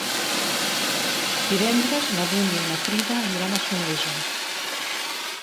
Divendres na Dúnia i na Frida aniran a Soneja.